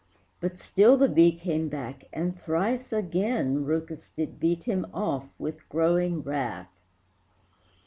But still the bee came back, and thrice again Rhœcus did beat him off with growing wrath.